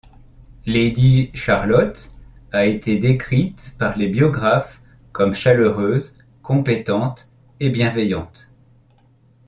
Lady Charlotte a été décrite par les biographes comme chaleureuse, compétente et bienveillante.